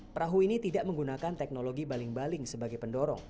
perahu ini tidak menggunakan teknologi baling baling sebagai pendorong